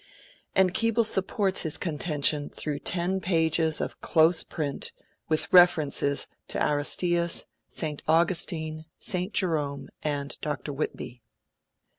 And Keble supports his contention through ten pages of close print, with references to Aristeas, St. Augustine, St. Jerome, and Dr. Whitby.